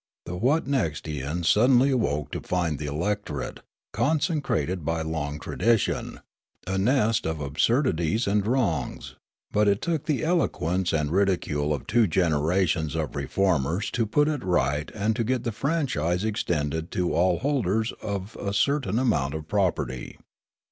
The Wotnekstians suddenly awoke to find the electorate, consecrated by long tradition, a nest of absurdities and wrongs ; but it took the eloquence and ridicule of two generations of reformers to put it right and to get the franchise extended to all holders of a certain amount of property.